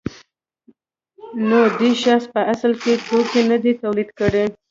نو دې شخص په اصل کې توکي نه دي تولید کړي